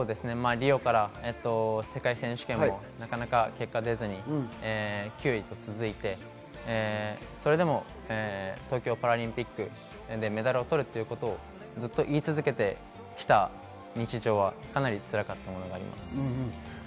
リオから世界選手権もなかなか結果が出ずに、９位と続いてそれでも東京パラリンピックでメダルを取るということをずっと言い続けてきた日常はかなり辛かったものがあります。